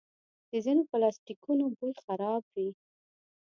د ځینو پلاسټیکونو بوی خراب وي.